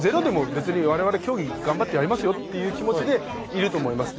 競技、頑張ってやりますよと言うつもりでいると思います。